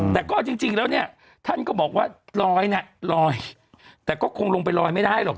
แต่ก็จริงแล้วเนี่ยท่านก็บอกว่าลอยน่ะลอยแต่ก็คงลงไปลอยไม่ได้หรอก